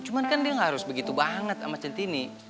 cuman kan dia nggak harus begitu banget sama centini